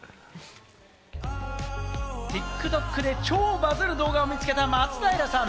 ＴｉｋＴｏｋで超バズる動画を見つけた松平さん。